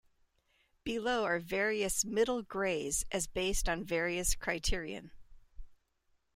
Below are various "middle" grays as based on various criterion.